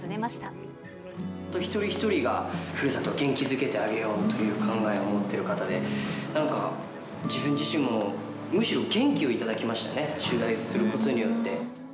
本当に一人一人が、ふるさとを元気づけてあげようという考えを持ってる方で、なんか自分自身も、むしろ元気を頂きましたね、取材することによって。